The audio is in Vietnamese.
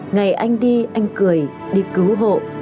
ngày anh đi anh cười đi cứu hộ